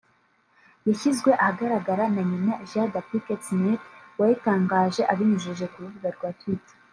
yashyizwe ahagaragara na nyina Jada Pinkett Smith wayitangaje abinyujije ku rubuga rwa twitter